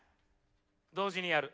同時にやる。